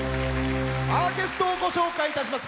ゲストをご紹介いたします。